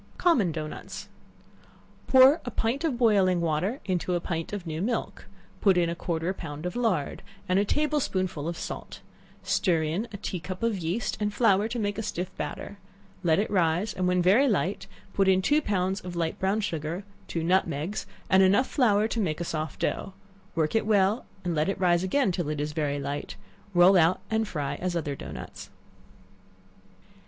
Common Dough nuts. Pour a pint of boiling water into a pint of new milk, put in a quarter of a pound of lard, and a table spoonful of salt; stir in a tea cup of yeast and flour to make a stiff batter; let it rise, and when very light put in two pounds of light brown sugar, two nutmegs, and enough flour to make a soft dough; work it well and let it rise again till it is very light; roll out and fry as other dough nuts.